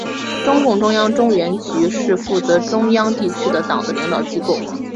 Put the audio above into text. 中共中央中原局是负责中央地区的党的领导机构。